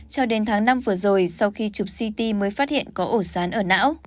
cho đến tháng năm vừa rồi sau khi chụp ct mới phát hiện có ổ sán ở não